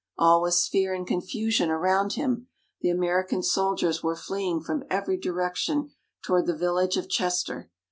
All was fear and confusion around him. The American soldiers were fleeing from every direction toward the village of Chester.